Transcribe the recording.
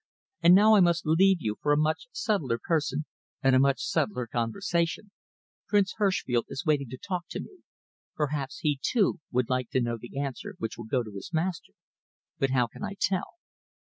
And now I must leave you for a much subtler person and a much subtler conversation. Prince Herschfeld is waiting to talk to me. Perhaps he, too, would like to know the answer which will go to his master, but how can I tell?"